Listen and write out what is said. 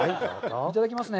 いただきますね。